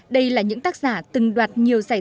đây là những tác giả từng đoạt nhiều giải thưởng